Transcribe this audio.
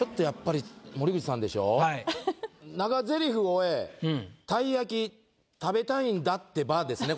「長ゼリフ終へたい焼き食べたいんだってば」ですね